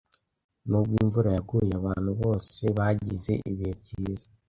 Nubwo imvura yaguye, abantu bose bagize ibihe byiza.